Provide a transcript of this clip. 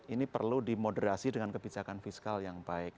ini perlu dimoderasi dengan kebijakan fiskal yang baik